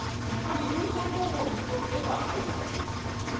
優勝候補筆頭といえば張本選手ですね。